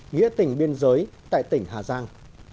nghĩa tỉnh biên giới tại tỉnh hà giang